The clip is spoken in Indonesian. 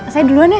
saya duluan ya